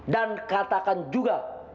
dan katakan juga